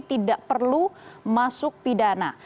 tidak perlu masuk pidana